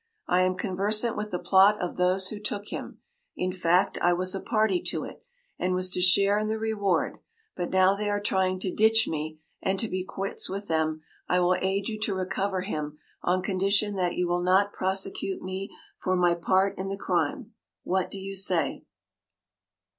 I am conversant with the plot of those who took him. In fact, I was a party to it, and was to share in the reward, but now they are trying to ditch me, and to be quits with them I will aid you to recover him on condition that you will not prosecute me for my part in the crime. What do you say?